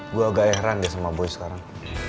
gue agak heran ya sama boy sekarang